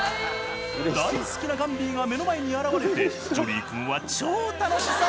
大好きなガンビーが目の前に現れてジョリー君は超楽しそう！